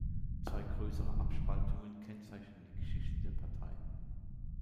Zwei größere Abspaltungen kennzeichnen die Geschichte der Partei.